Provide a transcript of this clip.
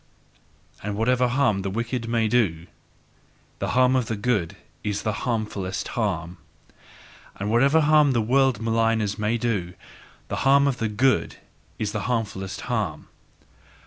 And whatever harm the wicked may do, the harm of the good is the harmfulest harm! And whatever harm the world maligners may do, the harm of the good is the harmfulest harm!